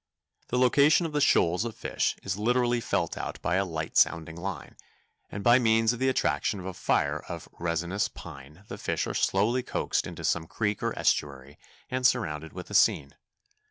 The location of the shoals of fish is literally felt out by a light sounding line, and by means of the attraction of a fire of resinous pine the fish are slowly coaxed into some creek or estuary and surrounded with a seine.